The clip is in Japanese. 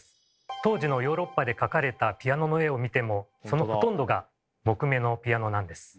当時のヨーロッパで描かれたピアノの絵を見てもそのほとんどが木目のピアノなんです。